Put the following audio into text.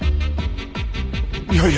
いやいや。